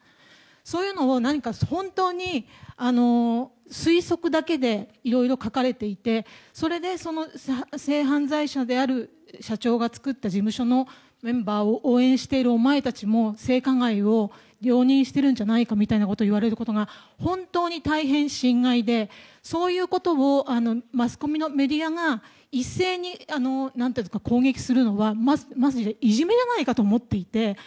そういうのを本当に推測だけでいろいろ書かれていてそれで性犯罪者である社長が作った事務所のメンバーを応援しているお前たちも性加害を容認しているんじゃないかみたいに言われることが本当に大変心外でそういうことをマスコミのメディアが一斉に攻撃するのはいじめじゃないかと思っていて。